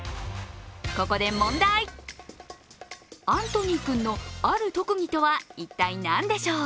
ここで問題、アントニー君のある特技とは一体何でしょう？